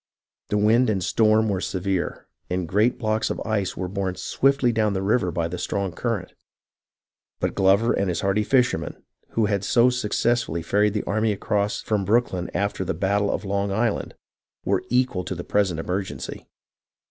The wind and storm were severe, and great blocks of ice were borne swiftly down the river by the strong current ; but Glover and his hardy fishermen, who had so successfully ferried the army across from Brooklyn after the battle of Long Island, were equal to the present emergency.